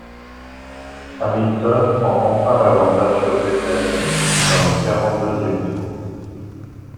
Hamilton prend enfin l'avantage sur Vettel dans le quarante-deuxième tour.